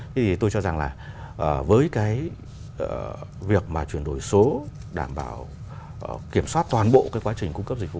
thế thì tôi cho rằng là với cái việc mà chuyển đổi số đảm bảo kiểm soát toàn bộ cái quá trình cung cấp dịch vụ